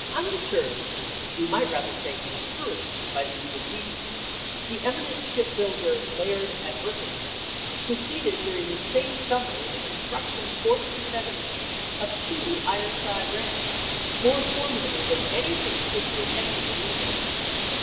Undeterred, we might rather say encouraged, by these proceedings, the eminent ship builder Laird, at Birkenhead, proceeded during this same sum mer in the construction for the Confederates of two iron clad rams more formidable than anything hitherto attempted in England.